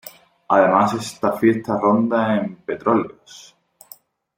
Además esta fiesta ronda en Petróleos.